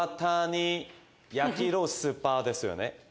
焼きのスーパーですよね。